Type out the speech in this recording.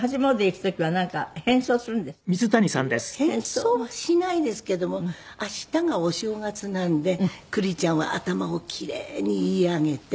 えっ？変装はしないですけども明日がお正月なんで久里ちゃんは頭を奇麗に結い上げて。